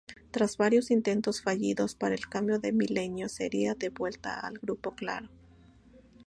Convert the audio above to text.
Tras varios intentos fallidos, para el cambio de milenio sería devuelta al Grupo Claro.